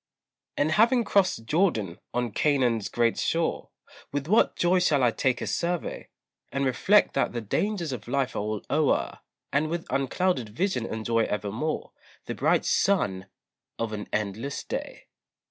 And having crossed Jordan, on Canaan's bright shore With what joy shall I take a survey, And reflect that the dangers of life are all o'er, And with unclouded vision enjoy evermore The bright sun of an endless day.